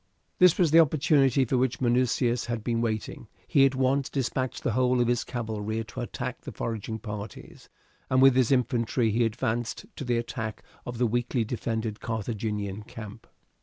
This was the opportunity for which Minucius had been waiting. He at once despatched the whole of his cavalry to attack the foraging parties, and with his infantry he advanced to the attack of the weakly defended Carthaginian camp.